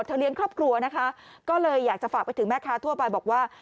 เลี้ยงครอบครัวนะคะก็เลยอยากจะฝากไปถึงแม่ค้าทั่วไปบอกว่า